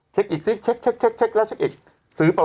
เช็คอีกซิเช็คแล้วเช็คอีกซิเช็ค